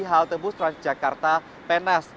halte bus transjakarta penas